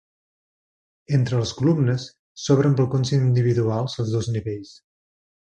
Entre les columnes s'obren balcons individuals als dos nivells.